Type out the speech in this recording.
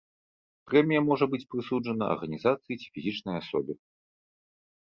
Прэмія можа быць прысуджана арганізацыі ці фізічнай асобе.